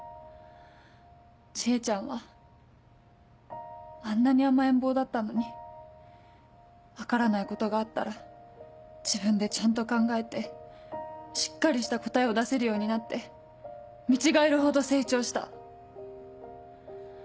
知恵ちゃんはあんなに甘えん坊だったのに分からないことがあったら自分でちゃんと考えてしっかりした答えを出せるようになって見違えるほど成長した。